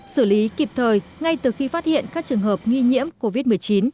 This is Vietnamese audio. xử lý kịp thời ngay từ khi phát hiện các trường hợp nghi nhiễm covid một mươi chín